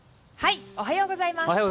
おはようございます。